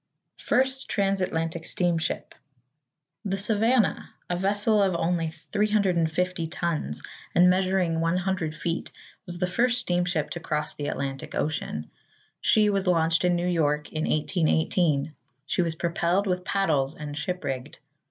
=First Trans Atlantic Steamship.= The "Savannah," a vessel of only 350 tons, and measuring 100 feet, was the first steamship to cross the Atlantic Ocean. She was launched in New York in 1818. She was propelled with paddles and ship rigged.